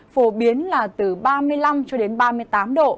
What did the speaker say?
phổ biến là từ ba mươi năm cho đến ba mươi tám độ